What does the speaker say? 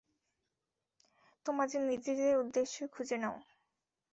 তোমাদের নিজের উদ্দেশ্য খুঁজে নাও।